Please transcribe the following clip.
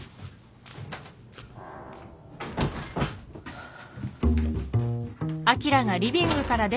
ハァ。